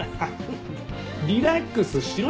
リラックスしろよ。